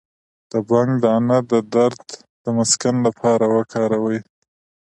د بنګ دانه د درد د مسکن لپاره وکاروئ